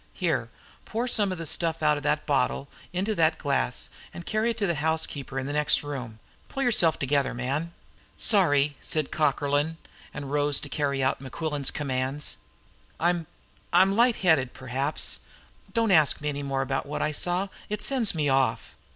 Here, pour some of the stuff out of that bottle into that glass, and carry it to the housekeeper in the next room. Pull yourself together, man!" "Sorry," said Cockerlyne, and rose to carry out Mequillen's commands. "I I'm light headed, perhaps. Don't ask me any more about what I saw. It sends me off."